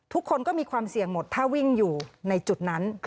ทุกคนก็มีความเสี่ยงหมดถ้าวิ่งอยู่ในจุดนั้น